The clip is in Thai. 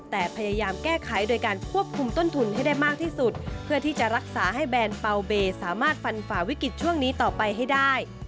แต่พยายามแก้ไขโดยการควบคุมต้นทุนให้ได้มากที่สุดเพื่อที่จะรักษาให้แบรนด์เปล่าเบย์สามารถฟันฝ่าวิกฤตช่วงนี้ต่อไปให้ได้